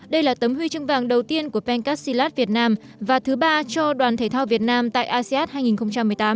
đây là tấm huy chương vàng đầu tiên của pencastilat việt nam và thứ ba cho đoàn thể thao việt nam tại asean hai nghìn một mươi tám